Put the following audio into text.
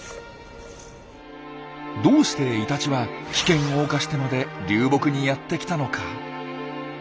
どうしてイタチは危険を冒してまで流木にやって来たのか？